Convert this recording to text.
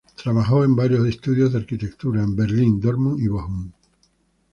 Trabajó en varios estudios de arquitectura en Berlín, Dortmund y Bochum.